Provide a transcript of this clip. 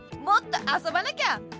もっとあそばなきゃ！